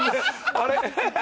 あれ？